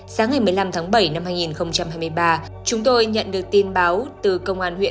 sáng ngày một mươi năm tháng bảy năm hai nghìn hai mươi ba chúng tôi nhận được tin báo từ công an huyện